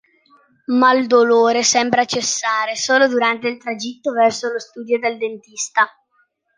Ma il dolore sembra cessare solo durante il tragitto verso lo studio del dentista.